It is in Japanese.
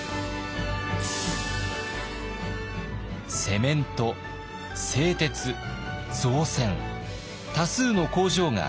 セメント製鉄造船多数の工場が稼働を開始。